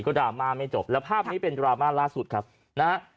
ก็ดราม่าไม่จบแล้วภาพนี้เป็นดราม่าล่าสุดครับนะฮะ